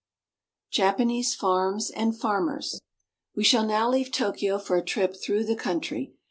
JAPANESE FARMS AND FARMERS WE shall now leave Tokyo for a trip through the country.